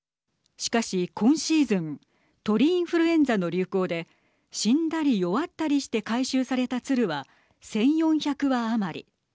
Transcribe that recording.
しかし、今シーズン鳥インフルエンザの流行で死んだり弱ったりして回収された鶴は１４００羽余り。